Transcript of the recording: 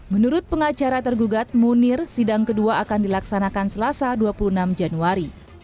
menurut pengacara tergugat munir sidang kedua akan dilaksanakan selasa dua puluh enam januari